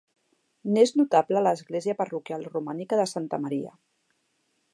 N'és notable l'església parroquial romànica de Santa Maria.